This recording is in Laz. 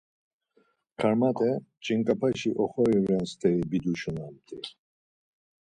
Karmat̆e, ç̆ink̆apeşi oxori ren steri biduşunamt̆i.